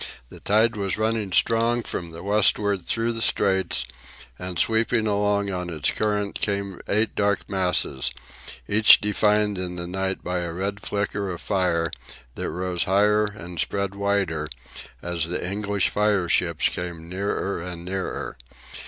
The tide was running strong from the westward through the Straits, and sweeping along on its current came eight dark masses, each defined in the night by a red flicker of fire that rose higher and spread wider as the English fireships came nearer and nearer.